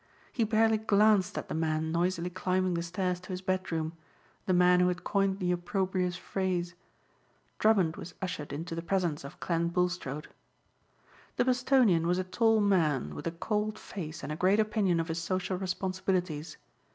He barely glanced at the man noisily climbing the stairs to his bedroom, the man who had coined the opprobrious phrase. Drummond was ushered into the presence of Clent Bulstrode. The Bostonian was a tall man with a cold face and a great opinion of his social responsibilities.